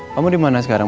kamu dimana sekarang